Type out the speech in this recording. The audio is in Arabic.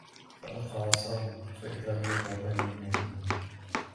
فألقى عصاه فإذا هي ثعبان مبين